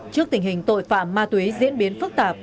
trước tình hình tội phạm ma túy diễn biến phức tạp